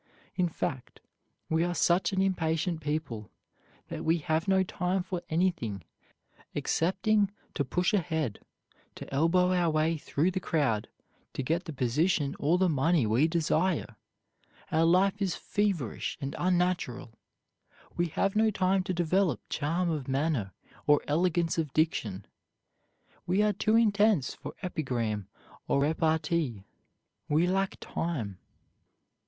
In fact, we are such an impatient people that we have no time for anything excepting to push ahead, to elbow our way through the crowd to get the position or the money we desire. Our life is feverish and unnatural. We have no time to develop charm of manner, or elegance of diction. "We are too intense for epigram or repartee. We lack time."